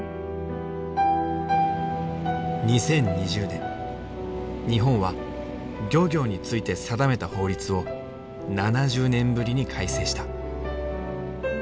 ２０２０年日本は漁業について定めた法律を７０年ぶりに改正した。